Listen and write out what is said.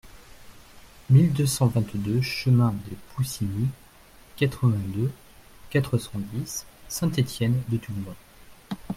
mille deux cent vingt-deux chemin de Pousinies, quatre-vingt-deux, quatre cent dix, Saint-Étienne-de-Tulmont